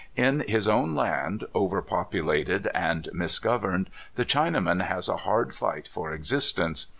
In his own land, over populated and misgoverned, the Chinaman has a hard fight for existence.